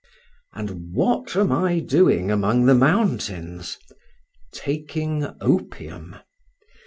And what am I doing among the mountains? Taking opium.